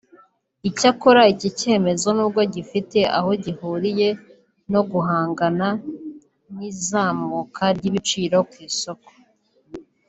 Icyakora iki cyemezo n’ubwo gifite aho gihuriye no guhangana n’izamuka ry’ibiciro ku isoko